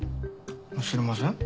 知りません。